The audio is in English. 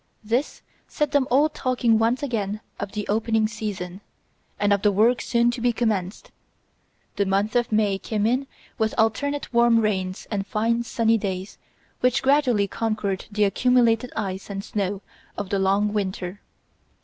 This set them all talking once again of the opening season, and of the work soon to be commenced. The month of May came in with alternate warm rains and fine sunny days which gradually conquered the accumulated ice and snow of the long winter.